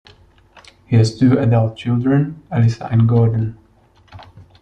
He has two adult children, Alissa and Gordon.